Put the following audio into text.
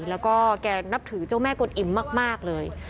แล้วก็แกนับถือเจ้าแม่กลอิ่มมากเลย